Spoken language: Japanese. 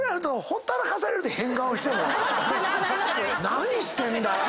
何してんだよ。